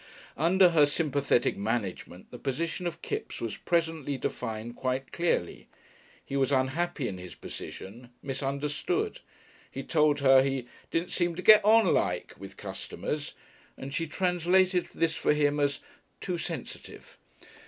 Under her sympathetic management the position of Kipps was presently defined quite clearly. He was unhappy in his position misunderstood. He told her he "didn't seem to get on like" with customers, and she translated this for him as "too sensitive."